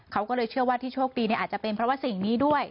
เขาก็เลยเชื่อว่าที่โชคดีอาจจะเป็นเพราะว่าสิ่งนี้ด้วย